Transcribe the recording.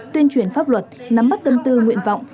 tuyên truyền pháp luật nắm bắt tâm tư nguyện vọng